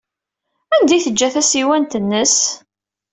Anda ay teǧǧa tasiwant-nnes?